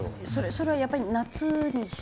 それはやっぱり夏に集中？